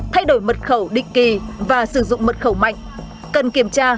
thay đổi mật khẩu định kỳ và sử dụng mật khẩu mạnh cần kiểm tra